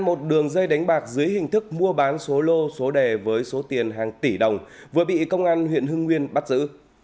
một đường dây đánh bạc dưới hình thức mua bán số lô số đề với số tiền hàng tỷ đồng vừa bị công an huyện hưng nguyên bắt giữ